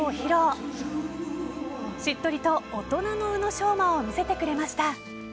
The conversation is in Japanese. しっとりと大人の宇野昌磨を見せてくれました。